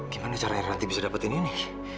gimana caranya nanti bisa dapetin ini